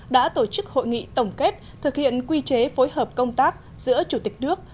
đã tổ chức hội nghị tổng kết thực hiện quy chế phối hợp công tác giữa chủ tịch nước